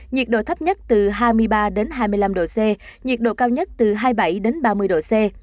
nhiệt độ thấp nhất từ hai mươi ba đến hai mươi năm độ c nhiệt độ cao nhất từ hai mươi bảy ba mươi độ c